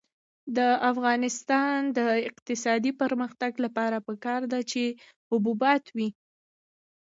د افغانستان د اقتصادي پرمختګ لپاره پکار ده چې حبوبات وي.